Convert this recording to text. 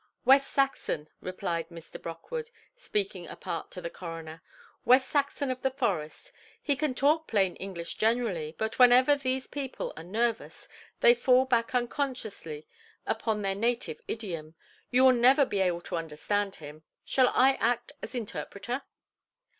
"West Saxon", replied Mr. Brockwood, speaking apart to the coroner; "West Saxon of the forest. He can talk plain English generally, but whenever these people are nervous, they fall back unconsciously upon their native idiom. You will never be able to understand him: shall I act as interpreter"?